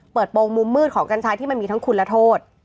โปรงมุมมืดของกัญชาที่มันมีทั้งคุณและโทษ